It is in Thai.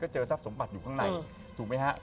เจอทรัพย์สมบัติอยู่ข้างในถูกไหมฮะ